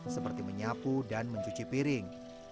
seperti menyapu dan mencuci piring